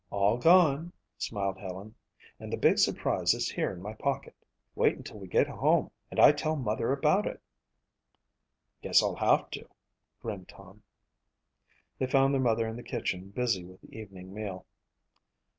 "All gone," smiled Helen, "and the big surprise is here in my pocket. Wait until we get home and I tell mother about it." "Guess I'll have to," grinned Tom. They found their mother in the kitchen busy with the evening meal.